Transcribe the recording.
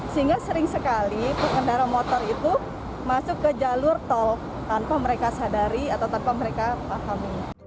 sehingga sering sekali pengendara motor itu masuk ke jalur tol tanpa mereka sadari atau tanpa mereka pahami